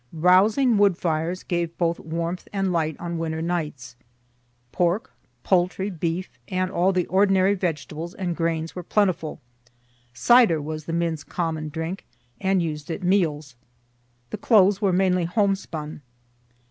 Rousing wood fires gave both warmth and light on winter nights. Pork, poultry, beef, and all the ordinary vegetables and grains were plentiful. Cider was the men's common drink, and used at meals. The clothes were mainly homespun.